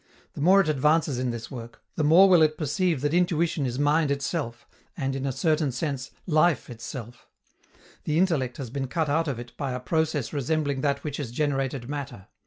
The more it advances in this work, the more will it perceive that intuition is mind itself, and, in a certain sense, life itself: the intellect has been cut out of it by a process resembling that which has generated matter.